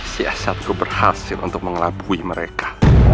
siasatku berhasil untuk mengelabui mereka